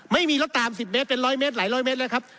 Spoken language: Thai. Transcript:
ไม่มีรถตาม๑๐เมตรเป็นร้อยเมตรหลายร้อยเมตรแล้วครับ